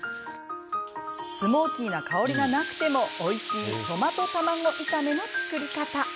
スモーキーな香りがなくてもおいしいトマトたまご炒めの作り方。